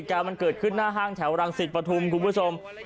มันเกิดขึ้นหน้าห้างแถวรังสิตปฐุมคุณผู้ชม